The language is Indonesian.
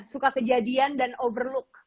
suka kejadian dan overlook